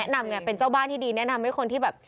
นำไงเป็นเจ้าบ้านที่ดีแนะนำให้คนที่แบบ